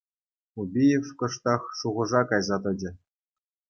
Убиев кӑштах шухӑша кайса тӑчӗ.